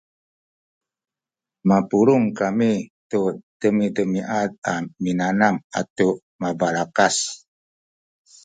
mapulung kami tu demidemiad a minanam atu mabalakas